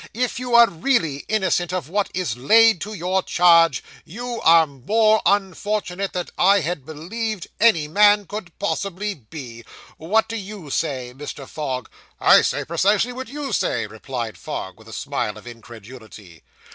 If you are really innocent of what is laid to your charge, you are more unfortunate than I had believed any man could possibly be. What do you say, Mr. Fogg?' 'I say precisely what you say,' replied Fogg, with a smile of incredulity.